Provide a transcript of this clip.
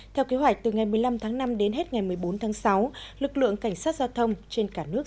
theo kế hoạch từ ngày một mươi năm tháng năm đến hết ngày một mươi bốn tháng sáu lực lượng cảnh sát giao thông trên cả nước